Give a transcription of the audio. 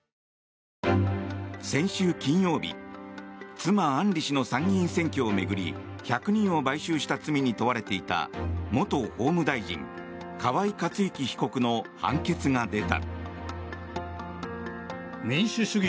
先週金曜日妻・案里氏の参議院選挙を巡り１００人を買収した罪に問われていた元法務大臣河井克行被告の判決が出た。